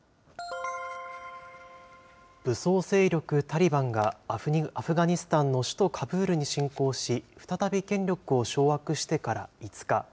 武装勢力タリバンが、アフガニスタンの首都カブールに進攻し、再び権力を掌握してから５日。